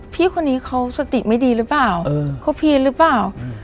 พี่คนนี้เขาสติไม่ดีรึเปล่าครบเพียรรึเปล่า